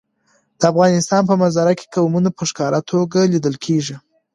د افغانستان په منظره کې قومونه په ښکاره توګه لیدل کېږي.